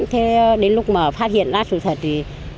thế đến lúc mà phát hiện ra sự thật thì